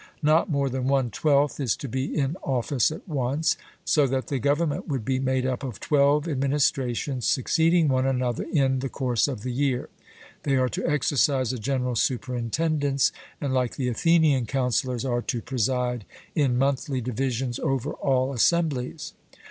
Not more than one twelfth is to be in office at once, so that the government would be made up of twelve administrations succeeding one another in the course of the year. They are to exercise a general superintendence, and, like the Athenian counsellors, are to preside in monthly divisions over all assemblies.